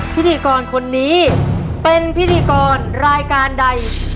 พิธีกรคนนี้เป็นพิธีกรรายการใด